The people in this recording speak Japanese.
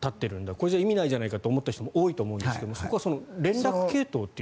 これじゃ意味ないじゃないかと思った人も多いと思うんですけどそこは連絡系統という。